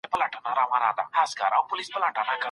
کيسه ييز سبک د اوږدمهاله زده کړې لپاره ګټور دی.